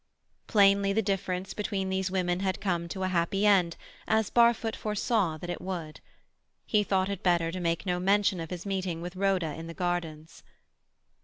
Plainly, the difference between these women had come to a happy end, as Barfoot foresaw that it would. He thought it better to make no mention of his meeting with Rhoda in the gardens.